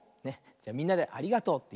じゃみんなで「ありがとう」。